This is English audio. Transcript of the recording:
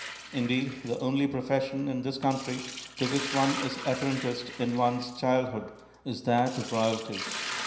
Indeed, the only profession in this country to which one is apprenticed in one's childhood is that of royalty.